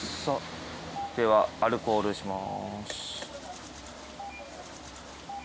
ではアルコールします。